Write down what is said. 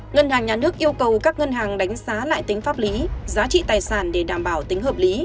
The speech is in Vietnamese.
ngân hàng nhà nước yêu cầu các ngân hàng đánh giá lại tính pháp lý giá trị tài sản để đảm bảo tính hợp lý